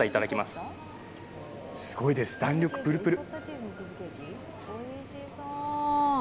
すごいです、弾力プルプル。